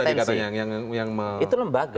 bukan hakim tadi katanya yang melantik lembaga